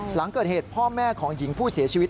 หลังเกิดเหตุพ่อแม่ของหญิงผู้เสียชีวิต